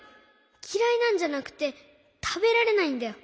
きらいなんじゃなくてたべられないんだよ。